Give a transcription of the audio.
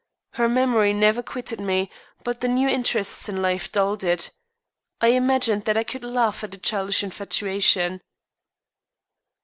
Her memory never quitted me, but the new interests in my life dulled it. I imagined that I could laugh at a childish infatuation.